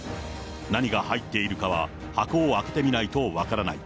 何が入っているかは、箱を開けてみないと分からない。